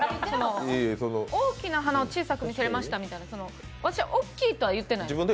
大きな鼻を小さく見せましたみたいな、私大きいとは言ってないんですよ。